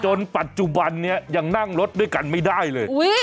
ปัจจุบันนี้ยังนั่งรถด้วยกันไม่ได้เลย